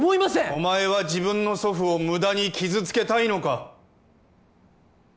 お前は自分の祖父をむだに傷つけたいのか？